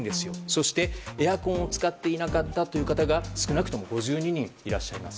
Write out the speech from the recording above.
そしてエアコンを使っていなかったという方が少なくとも５２人いらっしゃいます。